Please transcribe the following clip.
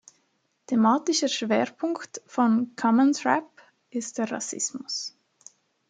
Thematischer Schwerpunkt von Commons Rap ist der Rassismus.